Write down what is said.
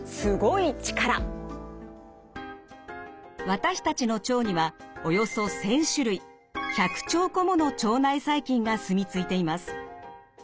私たちの腸にはおよそ１，０００種類１００兆個もの腸内細菌がすみついています。